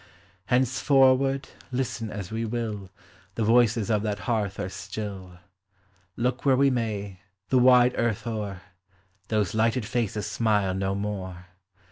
Henceforward, listen as we will, The voices of that hearth are still; Look where we may, the wide earth o'er, Those lighted faces smile no more.